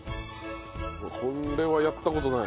うわっこれはやった事ない。